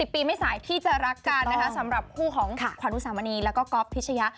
ปีไม่สายที่จะรักกันนะคะสำหรับคู่ของขวัญอุสามณีแล้วก็ก๊อฟพิชยะ